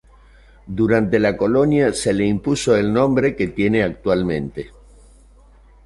Durante la Colonia se le impuso el nombre que tiene actualmente.